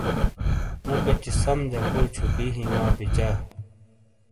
مُو کچی سم جکو چھُکی ہِیں وا پچا ۔